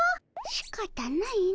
しかたないの。